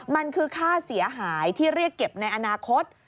มันคือค่าเสียหายที่เรียกเก็บในอนาคต